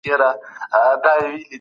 د دين منل د زړه له اطمينان سره تړاو لري.